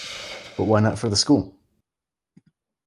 But why not for the school?